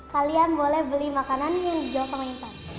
kalian boleh beli makanan yang dijual sama instan